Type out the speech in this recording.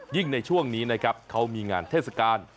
ในช่วงนี้นะครับเขามีงานเทศกาล